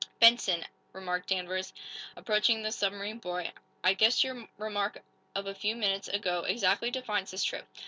"Benson," remarked Danvers, approaching the submarine boy, "I guess your remark of a few minutes ago exactly defines this trip."